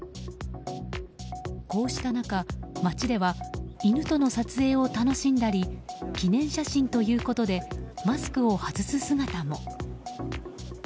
こうした中、街では犬との撮影を楽しんだり記念写真ということでマスクを外す姿も。